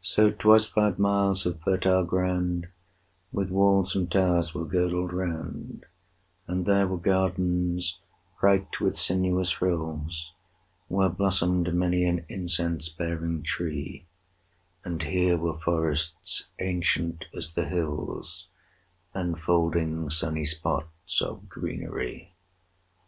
5 So twice five miles of fertile ground With walls and towers were girdled round: And there were gardens bright with sinuous rills, Where blossomed many an incense bearing tree; And here were forests ancient as the hills, 10 Enfolding sunny spots of greenery.